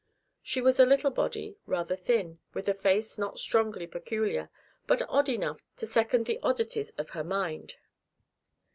She was a little body, rather thin, with a face not strongly peculiar, but odd enough to second the oddities of her mind.